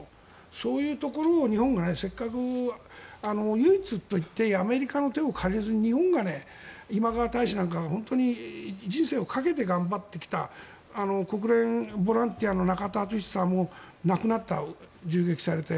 そういうところを日本がせっかく唯一といっていいアメリカの手を借りずに日本が大使なんかが人生をかけて頑張ってきた国連ボランティアのナカタさんも亡くなった、銃撃されて。